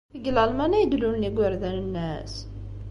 Deg Lalman ay d-lulen yigerdan-nnes?